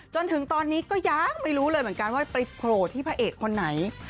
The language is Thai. จนถึงตอนนี้ก็ยังไม่รู้เลยเหมือนกันว่าไปโผล่ที่พระเอกคนไหน